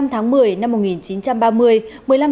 một mươi tháng một mươi năm một nghìn chín trăm ba mươi